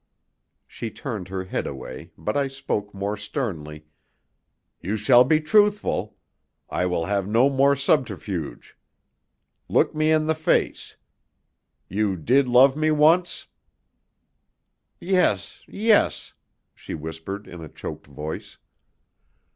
She turned her head away, but I spoke more sternly: "You shall be truthful. I will have no more subterfuge. Look me in the face. You did love me once?" "Yes, yes," she whispered in a choked voice.